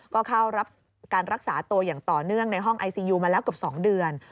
ก็เข้ารับการรักษาตัวอย่างต่อเนื่องในห้องไอซียูมาแล้วเกือบ๒เดือน